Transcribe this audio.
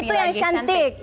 oh itu yang shantyik